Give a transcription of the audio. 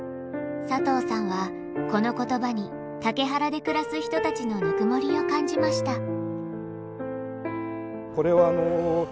佐藤さんはこの言葉に竹原で暮らす人たちのぬくもりを感じました。